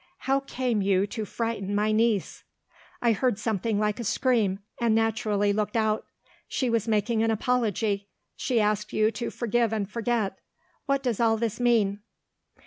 How came you to frighten my niece? I heard something like a scream, and naturally looked out. She was making an apology; she asked you to forgive and forget. What does all this mean?"